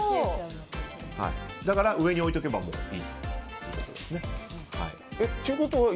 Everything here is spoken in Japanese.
だから上に置いておけばいいということです。